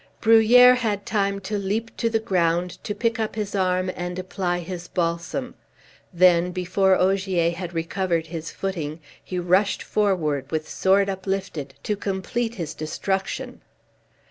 Bruhier had time to leap to the ground, to pick up his arm and apply his balsam; then, before Ogier had recovered his footing, he rushed forward with sword uplifted to complete his destruction.